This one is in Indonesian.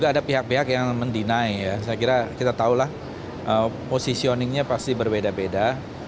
tapi ada pihak pihak yang men deny ya saya kira kita tahulah posisioningnya pasti berbeda beda